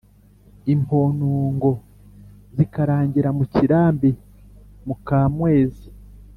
imponogo zikarangira mu kirambi muka mwezi."